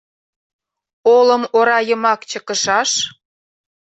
Олым ора йымак чыкышаш.